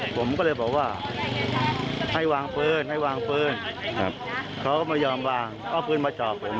ผมก็สวนเข้าไปทุกขาหนึ่งนะ